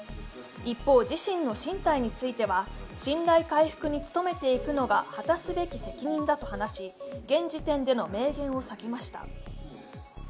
一方、自身の進退については、信頼回復に努めていくのが果たすべき責任だと話し現時点での明言を避けました。